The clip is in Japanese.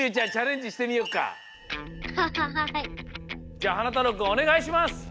じゃあはなたろうくんおねがいします。